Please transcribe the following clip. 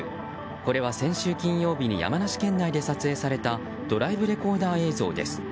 これは先週金曜日に山梨県内で撮影されたドライブレコーダー映像です。